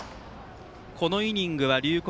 このイニングは龍谷